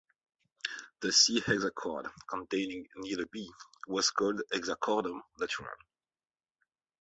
The C hexachord, containing neither B, was called "hexachordum naturale".